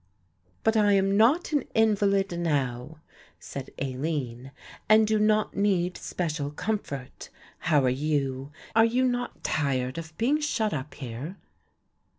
"But I am not an invalid now," said Aline, "and do not need special comfort. How are you; are you not tired of being shut up here?"